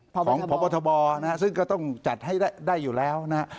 พบนะครับซึ่งก็ต้องจัดให้ได้อยู่แล้วนะครับ